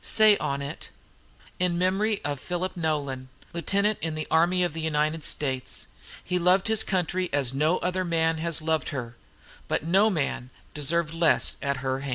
Say on it: "'In Memory of "'PHILIP NOLAN, "'Lieutenant in the Army of the United States. "'He loved his country as no other man has loved her; but no man deserved less at her hands.'"